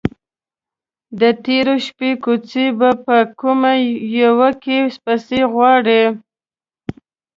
_د تېرې شپې کوچی به په کومه يوه کې پسې غواړې؟